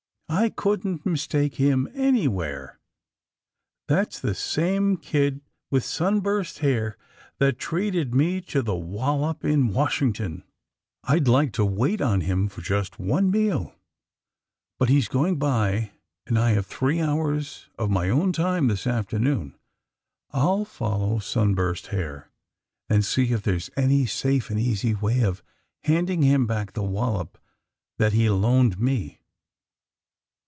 I couldn't mis take him anywhere. That's the same kid with AND THE SMUGGLEES 179 sunburst hair that treated me to the wallop in Washington. I'd like to wait on him for just one meal ! But he 's going by, and I have three hours of my own time this afternoon. I'll fol low Sunburst Hair and see if there's any safe and easy way of handing him back the wallop that he loaned me.